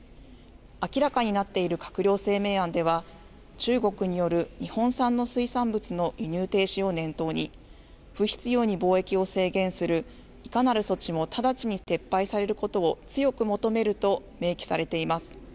明らかになっている閣僚声明案では中国による日本産の水産物の輸入停止を念頭に不必要に貿易を制限するいかなる措置も直ちに撤廃されることを強く求めると明記されています。